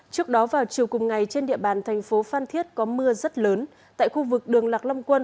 trước đó vào chiều cùng ngày trên địa bàn thành phố phan thiết có mưa rất lớn tại khu vực đường lạc long quân